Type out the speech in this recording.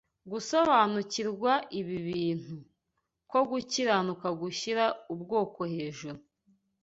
Gusobanukirwa ibi bintu: ko gukiranuka gushyira ubwoko hejuru